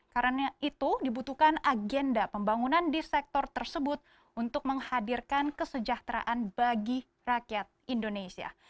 karena itu dibutuhkan agenda pembangunan di sektor tersebut untuk menghadirkan kesejahteraan bagi rakyat indonesia